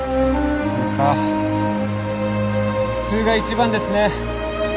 普通が一番ですね。